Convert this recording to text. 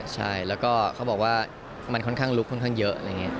ใช่แล้วก็เขาบอกว่ามันค่อนข้างลุกค่อนข้างเยอะ